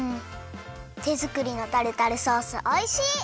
てづくりのタルタルソースおいしい！